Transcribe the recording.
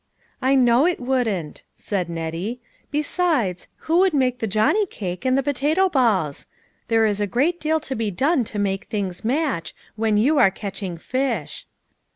" I know it wouldn't," said Nettie ; "besides, who would make the johnny cake, and the po tato balls? There is a great deal to be done to make things match, when you are catching fish.